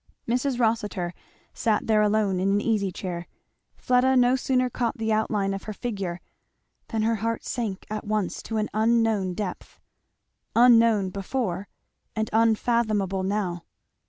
Mrs. Rossitur sat there alone in an easy chair; and Fleda no sooner caught the outline of her figure than her heart sank at once to an unknown depth, unknown before and unfathomable now.